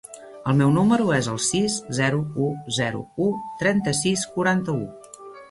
El meu número es el sis, zero, u, zero, u, trenta-sis, quaranta-u.